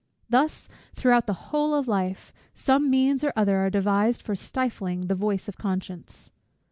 Thus, throughout the whole of life, some means or other are devised for stifling the voice of conscience.